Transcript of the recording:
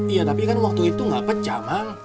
iya tapi kan waktu itu gak pecah mak